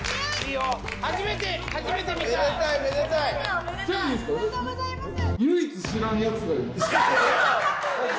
おめでとうございます！